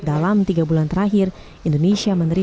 dalam seluruh rakyat mematah terminal ruang zon lain ini